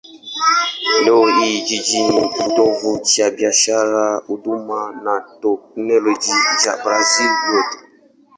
Leo hii jiji ni kitovu cha biashara, huduma na teknolojia cha Brazil yote.